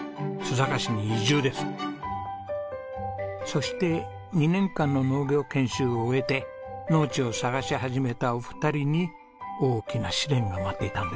そして２年間の農業研修を終えて農地を探し始めたお二人に大きな試練が待っていたんです。